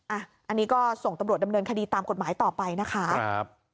อันนี้ก็ส่งตำรวจดำเนินคดีตามกฎหมายต่อไปนะคะ